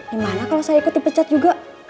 gimana kalau saya ikut dipecat juga